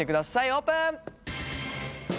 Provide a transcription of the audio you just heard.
オープン！